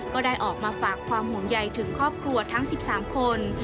ก็ได้ออกมาฝากความห่วงใยถึงครอบครัวทั้ง๑๓คน